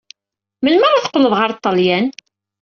Melmi ara teqqled ɣer Ṭṭalyan?